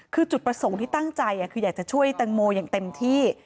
คือจุดประสงค์ที่ตั้งใจคืออยากจะช่วยแตงโมอย่างเต็มที่